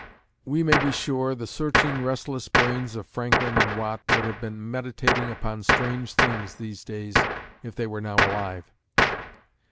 We may be sure the searching, restless brains of Franklin and Watt would have been meditating upon strange things these days if they were now alive.